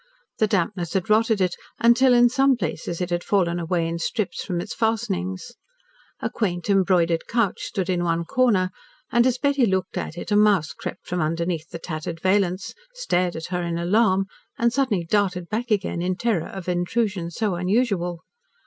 The dampness had rotted it until, in some places, it had fallen away in strips from its fastenings. A quaint, embroidered couch stood in one corner, and as Betty looked at it, a mouse crept from under the tattered valance, stared at her in alarm and suddenly darted back again, in terror of intrusion so unusual.